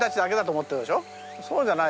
そうじゃない。